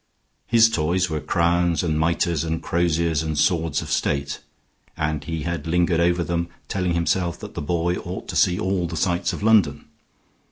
His toys were crowns and miters and croziers and swords of state; and he had lingered over them, telling himself that the boy ought to see all the sights of London.